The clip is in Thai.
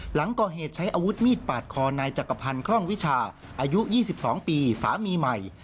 หลังก่อเหตุใช้อาวุธมีดปาดคอนายจักรพันธ์คล่องวิชาอายุ๒๒ปีสามีใหม่